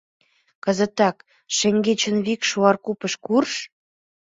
Кызытак шеҥгечын вик Шуар купыш курж.